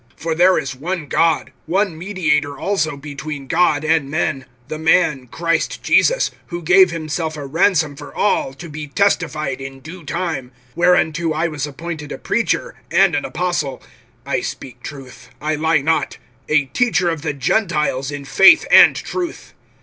(5)For there is one God, one mediator also between God and men, the man Christ Jesus; (6)who gave himself a ransom for all, to be testified in due time; (7)whereunto I was appointed a preacher, and an apostle (I speak truth, I lie not), a teacher of the Gentiles in faith and truth.